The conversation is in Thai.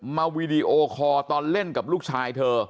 วีดีโอคอร์ตอนเล่นกับลูกชายเธอ